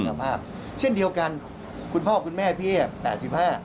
เป็นคุณภาพเช่นเดียวกันคุณพ่อคุณแม่พี่แปดสิบห้า